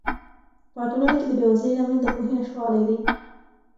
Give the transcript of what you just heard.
په ټولنه کې د بې وزلۍ لامل د پوهې نشتوالی دی.